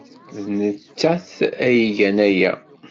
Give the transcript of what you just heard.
D nettat ay igan aya.